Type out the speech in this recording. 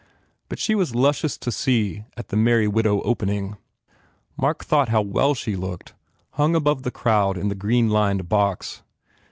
But she was luscious to see at the "Merry Widow" opening. Mark thought how well she looked, hung above the crowd in the green lined box.